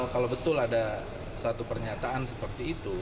kalau betul ada satu pernyataan seperti itu